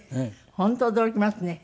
本当驚きますね。